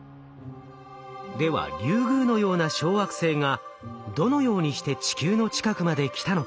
ではリュウグウのような小惑星がどのようにして地球の近くまで来たのか？